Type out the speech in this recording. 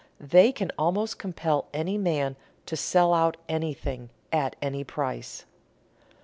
They can almost compel any man to sell out anything, at any price."